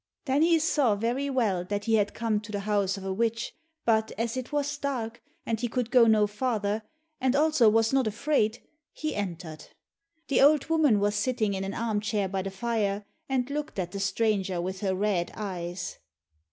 Then he saw very well that he had come to the house of a witch, but as it was dark, and he could not go farther, and also was not afraid, he entered. The old woman was sitting in an armchair by the fire, and looked at the stranger with her red eyes.